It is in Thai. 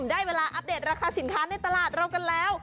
ได้เวลาอัปเดตราคาสินค้าในตลาดเรากันแล้ว